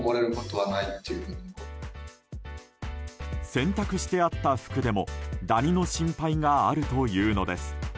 洗濯してあった服でもダニの心配があるというのです。